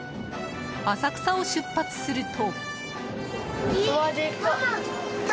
浅草を出発すると。